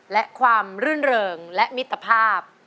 และความรื่นเริงและมิตรภาพ